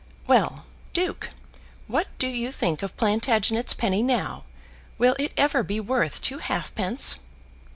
Well, duke, what do you think of Plantagenet's penny now? Will it ever be worth two halfpence?"